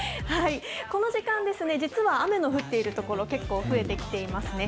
この時間ですね、実は雨の降っている所、結構増えてきていますね。